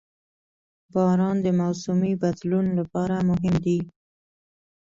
• باران د موسمي بدلون لپاره مهم دی.